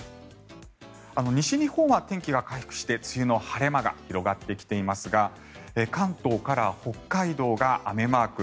西日本は天気が回復して梅雨の晴れ間が広がってきていますが関東から北海道が雨マーク。